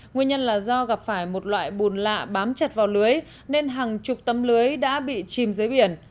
nguyên nhân là do gặp phải một loại bùn lạ bám chặt vào lưới nên hàng chục tấm lưới đã bị chìm dưới biển